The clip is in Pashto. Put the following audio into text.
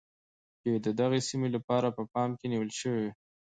چې د دغې سیمې لپاره په پام کې نیول شوی.